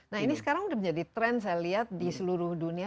nah ini sekarang sudah menjadi tren saya lihat di seluruh dunia